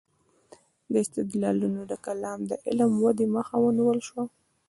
دا استدلالونه د کلام د علم ودې مخه ونه نیول شوه.